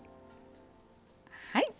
はい。